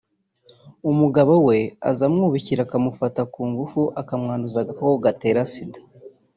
umugabo we azamwubikira akamufata ku ngufu akamwanduza agakoko gatera Sida